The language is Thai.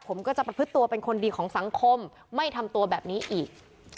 ผมก็จะประพฤติตัวเป็นคนดีของสังคมไม่ทำตัวแบบนี้อีก